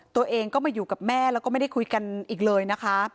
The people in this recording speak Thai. ตัวเองก็มาอยู่กับแม่แล้วก็ไม่ได้คุยกันอีกเลยนะคะ